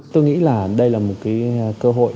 tôi nghĩ là đây là một cơ hội